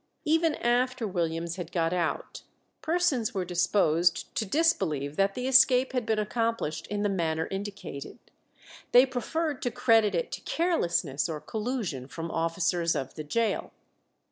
Even after Williams had got out, persons were disposed to disbelieve that the escape had been accomplished in the manner indicated; they preferred to credit it to carelessness or collusion from officers of the gaol.